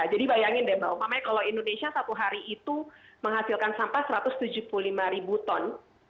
jadi bayangin deh mbak umpamanya kalau indonesia satu hari itu menghasilkan sampah satu ratus tujuh puluh lima ribu ton